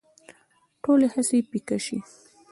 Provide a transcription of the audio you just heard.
ټولې هڅې پيکه شي